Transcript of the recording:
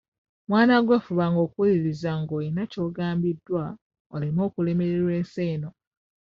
Mwana gwe fubanga okuwuliriza ng'oyina ky'ogambiddwa oleme kulemererwa nsi eno.